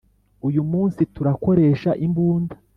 uyu munsi turakoresha imbunda